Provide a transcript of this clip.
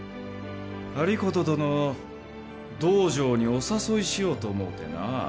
有功殿を道場にお誘いしようと思うてな。